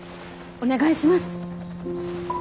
お願いします。